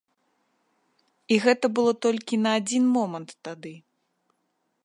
І гэта было толькі на адзін момант тады.